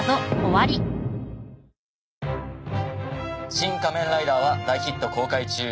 『シン・仮面ライダー』は大ヒット公開中！